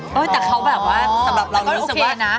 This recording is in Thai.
แต่เขาแบบว่าสำหรับเรารู้สึกว่านะ